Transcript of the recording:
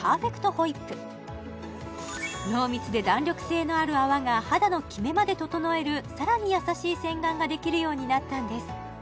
ホイップ濃密で弾力性のある泡が肌のキメまで整えるさらに優しい洗顔ができるようになったんです